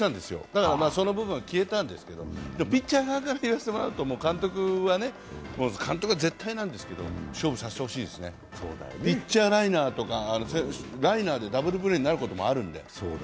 だから、その部分は消えたんですけど、ピッチャー側から言わせてもらうと、監督は絶対なんですけど勝負させてほしいですね、ピッチャーライナーとか、ライナーでダブルプレーになることもあるので。